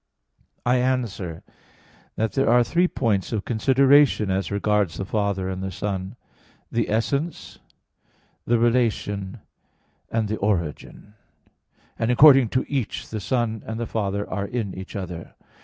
I answer that, There are three points of consideration as regards the Father and the Son; the essence, the relation and the origin; and according to each the Son and the Father are in each other.